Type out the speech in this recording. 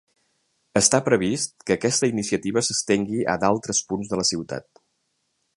Està previst que aquesta iniciativa s’estengui a d’altres punts de la ciutat.